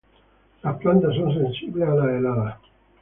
Las plantas son sensibles a las heladas.